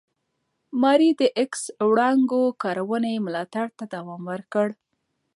ماري د ایکس وړانګو کارونې ملاتړ ته دوام ورکړ.